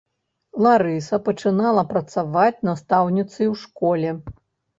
Ларыса пачынала працаваць настаўніцай у школе.